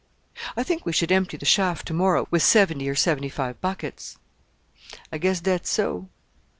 "I think we should empty the shaft to morrow with seventy or seventy five buckets." "I guess dat's so."